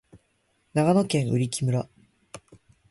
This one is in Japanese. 長野県売木村